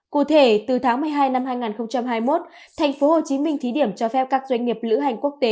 cụ thể từ tháng một mươi hai năm hai nghìn hai mươi một thành phố hồ chí minh thí điểm cho phép các doanh nghiệp lữ hành quốc tế